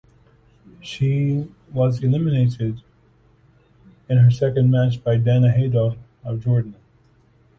She was eliminated in her second match by Dana Haidar of Jordan.